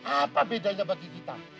apa bedanya bagi kita